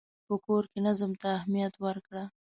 په کور کې نظم ته اهمیت ورکړه.